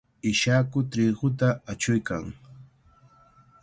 Ishaku triquta achuykan.